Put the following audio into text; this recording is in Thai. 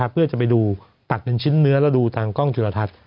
เพื่อจะไปดูตัดเป็นชิ้นเนื้อแล้วดูทางกล้องจุลทัศน